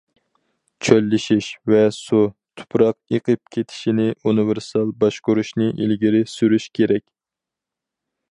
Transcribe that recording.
چۆللىشىش ۋە سۇ، تۇپراق ئېقىپ كېتىشنى ئۇنىۋېرسال باشقۇرۇشنى ئىلگىرى سۈرۈش كېرەك.